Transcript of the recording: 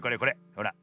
ほら。